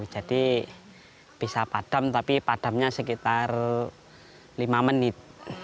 jadi bisa padam tapi padamnya sekitar lima menit